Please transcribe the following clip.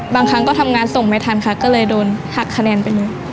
บางครั้งก็ทำงานส่งไม่ทันค่ะก็เลยโดนหักคะแนนไปเลย